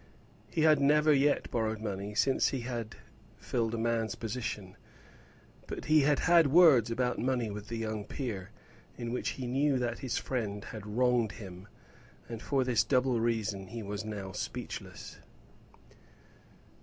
He had never yet borrowed money since he had filled a man's position, but he had had words about money with the young peer, in which he knew that his friend had wronged him; and for this double reason he was now speechless.